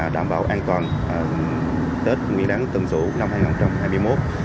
đảm bảo an toàn kết nguyên đáng tầm dụng năm hai nghìn hai mươi một